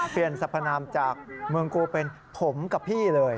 เปลี่ยนสัพนามจากเมืองกูเป็นผมกับพี่เลย